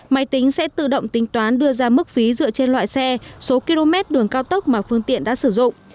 máy tính sẽ tự động tính toán đưa ra mức phí dựa trên loại xe số km đường cao tốc mà phương tiện đã sử dụng